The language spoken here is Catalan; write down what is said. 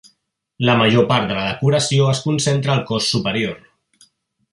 La major part de la decoració es concentra al cos superior.